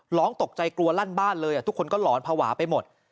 หลองตกใจกลัวลั่นบ้านเลยอ่ะทุกคนก็หลอนผวาไปหมด